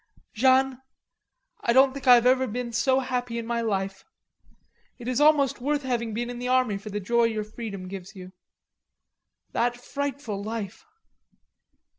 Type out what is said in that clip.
"Jeanne, I don't think I have ever been so happy in my life.... It's almost worth having been in the army for the joy your freedom gives you. That frightful life....